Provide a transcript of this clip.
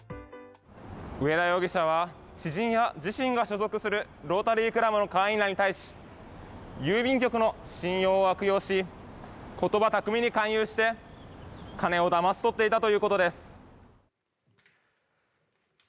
上田容疑者は知人や自身が所属するロータリークラブの会員らに対し郵便局の信用を悪用し言葉巧みに勧誘して金をだまし取っていたということです。